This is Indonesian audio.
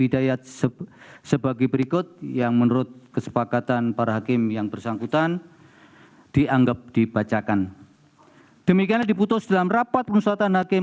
demikianlah diputus dalam rapat penuh suatan hakim